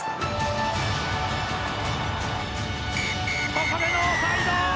ここでノーサイド！